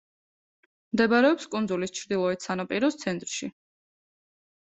მდებარეობს კუნძულის ჩრდილოეთ სანაპიროს ცენტრში.